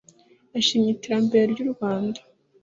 yashimye iterambere ry’u Rwanda